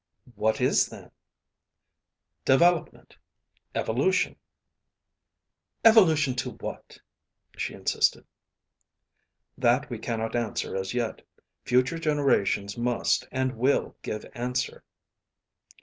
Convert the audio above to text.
"What is, then?" "Development evolution." "Evolution to what?" she insisted. "That we cannot answer as yet. Future generations must and will give answer."